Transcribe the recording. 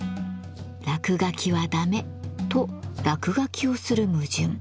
「落書きはダメ」と落書きをする矛盾。